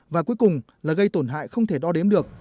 và cuối cùng là gây tổn hại không thể đo đếm được